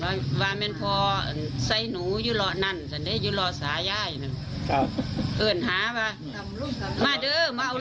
ไม่อยากให้เกิดเหตุร้ายนะแต่จะยกตัวอย่าง